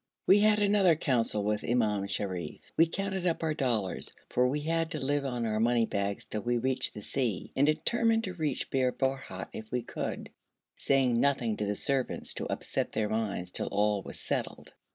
We had another council with Imam Sharif. We counted up our dollars, for we had to live on our money bags till we reached the sea, and determined to reach Bir Borhut if we could, saying nothing to the servants to upset their minds till all was settled.